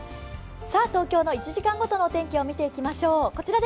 東京の１時間ごとの天気を見ていきましょう。